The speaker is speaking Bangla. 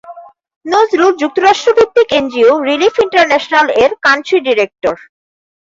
নজরুল যুক্তরাষ্ট্র-ভিত্তিক এনজিও রিলিফ ইন্টারন্যাশনাল-এর কান্ট্রি ডিরেক্টর।